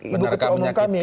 ibu ketua omong kami